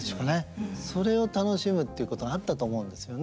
それを楽しむっていうことがあったと思うんですよね。